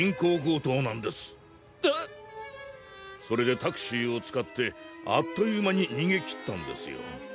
それでタクシーを使ってあっという間ににげきったんですよ。